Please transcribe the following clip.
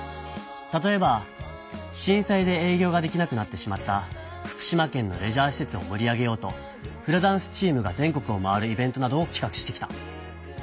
たとえばしん災でえい業ができなくなってしまった福島県のレジャーしせつをもり上げようとフラダンスチームが全国を回るイベントなどを企画してきた。